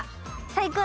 最高？